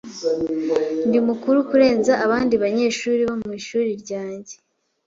Ndi mukuru kurenza abandi banyeshuri bo mu ishuri ryanjye.